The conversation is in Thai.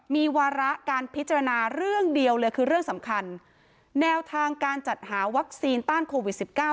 มีวาระการพิจารณาเรื่องเดียวเลยคือเรื่องสำคัญแนวทางการจัดหาวัคซีนต้านโควิดสิบเก้า